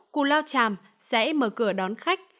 cu lao chàm sẽ mở cửa đón khách